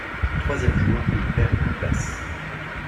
Le troisième jour, il perd une place.